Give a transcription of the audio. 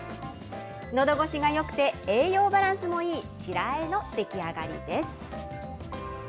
のどごしがよくて栄養バランスもいい白あえの出来上がりです。